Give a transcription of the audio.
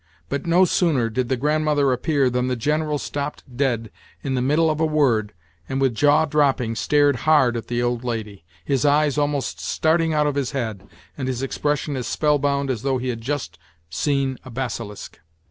But no sooner did the Grandmother appear than the General stopped dead in the middle of a word, and, with jaw dropping, stared hard at the old lady—his eyes almost starting out of his head, and his expression as spellbound as though he had just seen a basilisk.